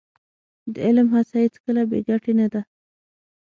د علم هڅه هېڅکله بې ګټې نه ده.